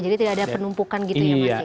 jadi tidak ada penumpukan gitu ya mas ya